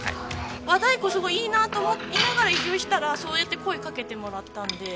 和太鼓すごいいいなと思いながら移住したらそうやって声かけてもらったので。